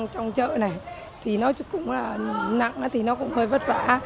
trong chợ này thì nó cũng nặng thì nó cũng hơi vất vả